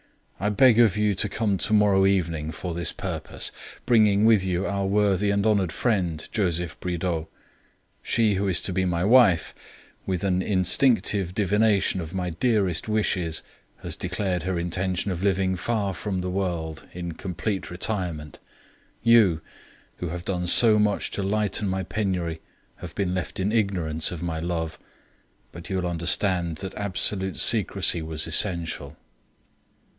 I beg of you to come to morrow evening for this purpose, bringing with you our worthy and honored friend, Joseph Bridau. She who is to be my wife, with an instinctive divination of my dearest wishes, has declared her intention of living far from the world in complete retirement. You, who have done so much to lighten my penury, have been left in ignorance of my love; but you will understand that absolute secrecy was essential.